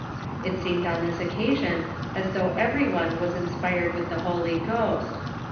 It seemed on this occasion as though every one was inspired with the Holy Ghost.